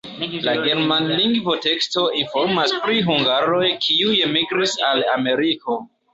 La germanlingva teksto informas pri hungaroj, kiuj migris al Ameriko.